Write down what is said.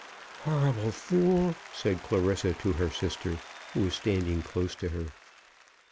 "Horrible fool!" said Clarissa to her sister, who was standing close to her.